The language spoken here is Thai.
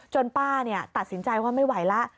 จนป้าเนี่ยตัดสินใจว่าไม่ไหวล่ะ